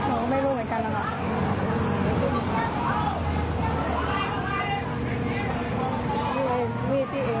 โอ้วไหลแล้ว